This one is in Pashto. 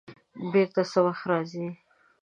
بېرته څه وخت راځې؟